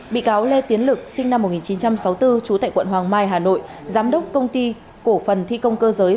bị cáo lê tiến lực sinh năm một nghìn chín trăm sáu mươi bốn trú tại quận hoàng mai hà nội giám đốc công ty cổ phần thi công cơ giới